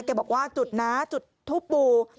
แกบอกว่าจุดน้าจุดทุกปู่